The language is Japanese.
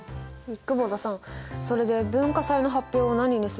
久保田さんそれで文化祭の発表を何にするかどうするんですか？